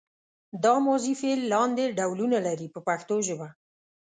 دا ماضي فعل لاندې ډولونه لري په پښتو ژبه.